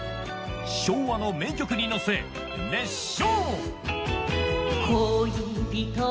昭和の名曲に乗せ熱唱